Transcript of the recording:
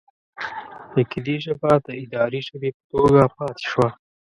اکدي ژبه د اداري ژبې په توګه پاتې شوه.